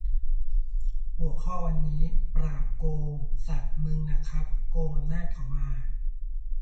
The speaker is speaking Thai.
หัวข้อวันนี้ "ปราบคนโกง" สัส มึงน่ะครับ โกงอำนาจเขามา